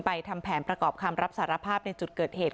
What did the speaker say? ทำแผนประกอบคำรับสารภาพในจุดเกิดเหตุ